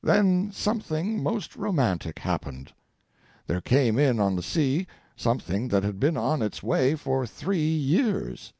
Then something most romantic happened. There came in on the sea something that had been on its way for three years.